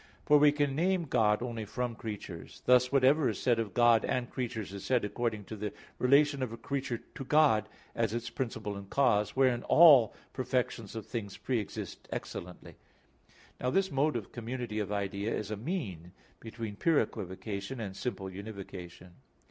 For we can name God only from creatures (A. 1). Thus whatever is said of God and creatures, is said according to the relation of a creature to God as its principle and cause, wherein all perfections of things pre exist excellently. Now this mode of community of idea is a mean between pure equivocation and simple univocation.